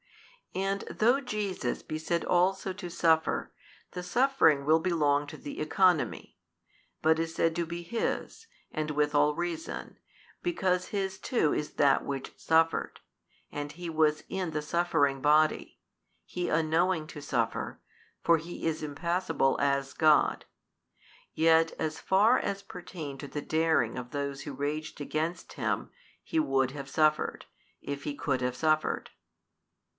And though Jesus be said also to suffer, the suffering will belong to the economy; but is said to be His, and with all reason, because His too is that which suffered, and He was in the suffering Body, He unknowing to suffer (for He is Impassible as God); yet as far as pertained to the daring of those who raged against Him, He would have suffered, if He could have suffered.